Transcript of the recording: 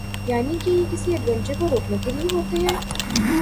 یعنی یہ کسی ایڈونچر کو روکنے کے لئے ہوتے ہیں۔